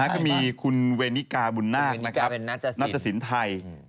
ก็มีคุณเวนิกาบุญนาคนัตตสินไทย